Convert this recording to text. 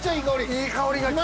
いい香りがきた。